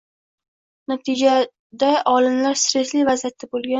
Natijada olimlar stressli vaziyatda boʻlgan